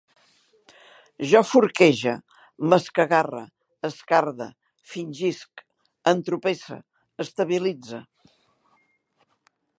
Jo forquege, m'escagarre, escarde, fingisc, entropesse, estabilitze